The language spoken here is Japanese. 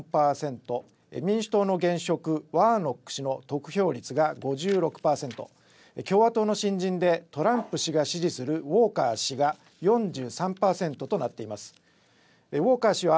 ワーノック氏が得票率が５６％、共和党の新人でトランプ氏が支持するウォーカー氏が４３％となっています。